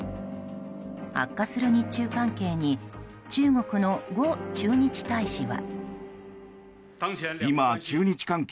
悪化する日中関係に中国のゴ駐日大使は。